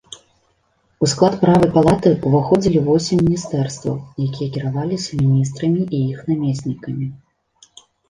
У склад правай палаты ўваходзілі восем міністэрстваў, якія кіраваліся міністрамі і іх намеснікамі.